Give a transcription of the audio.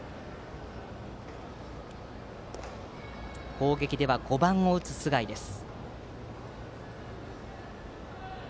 攻撃では５番を打つ須貝です。